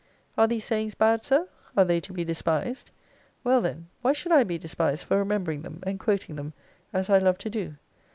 Are these sayings bad, Sir? are they to be despised? Well, then, why should I be despised for remembering them, and quoting them, as I love to do?